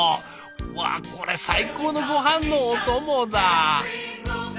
わあこれ最高のごはんのお供だ！